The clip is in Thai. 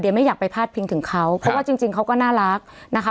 ไม่อยากไปพาดพิงถึงเขาเพราะว่าจริงเขาก็น่ารักนะคะ